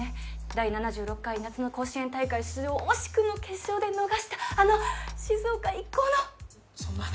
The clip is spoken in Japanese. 第７６回夏の甲子園大会出場を惜しくも決勝で逃したあの静岡一高のそんな話